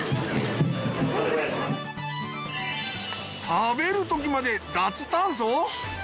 食べるときまで脱炭素！？